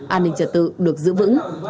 an ninh trật tự được giữ vững